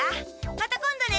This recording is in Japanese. また今度ね！